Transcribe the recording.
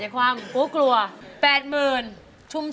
หล่นหล่นหล่น